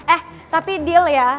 eh tapi deal yah